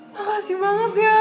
makasih banget ya